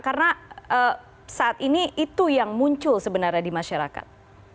karena saat ini itu yang muncul sebenarnya di masyarakat